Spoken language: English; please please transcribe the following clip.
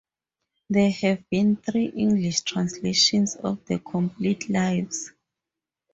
There have been three English translations of the complete "Lives".